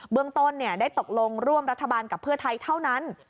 เมืองต้นได้ตกลงร่วมรัฐบาลกับเพื่อไทยเท่านั้น